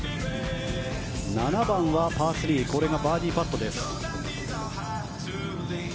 ７番はパー３バーディーパットです。